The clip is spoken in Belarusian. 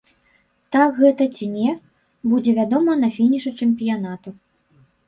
Так гэта ці не, будзе вядома на фінішы чэмпіянату.